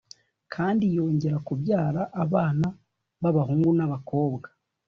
kandi yongera kubyara abana b’abahungu n’ab’abakobwa.